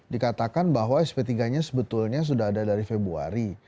dikatakan bahwa sp tiga nya sebetulnya sudah ada dari februari